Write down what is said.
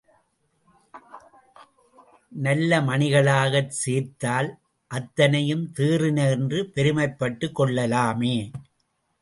நல்ல மணிகளாகச் சேர்த்தால் அத்தனையும் தேறின என்று பெருமைப்பட்டுக் கொள்ளலாமே!